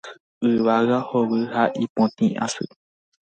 Yvága hovy ha ipotĩ asy.